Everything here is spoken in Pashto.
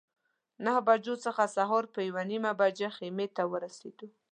نهه بجو څخه سهار په یوه نیمه بجه خیمې ته ورسېدو.